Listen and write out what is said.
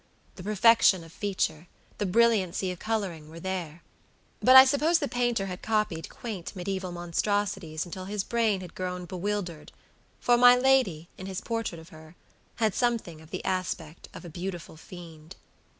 The perfection of feature, the brilliancy of coloring, were there; but I suppose the painter had copied quaint mediaeval monstrosities until his brain had grown bewildered, for my lady, in his portrait of her, had something of the aspect of a beautiful fiend.